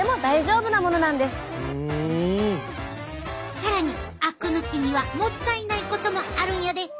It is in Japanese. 更にあく抜きにはもったいないこともあるんやで。